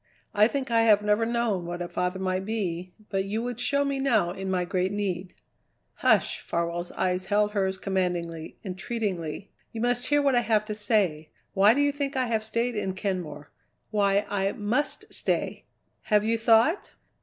I think I have never known what a father might be, but you would show me now in my great need." "Hush!" Farwell's eyes held hers commandingly, entreatingly. "You must hear what I have to say. Why do you think I have stayed in Kenmore? Why I must stay? Have you thought?"